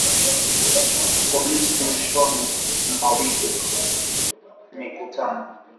Polisi mwishoni mwa wiki walikizuia chama kikuu cha upinzani nchini humo kufanya mikutano